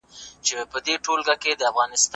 هغه وویل چي تاریخ د راتلونکي لپاره لاره هواروي.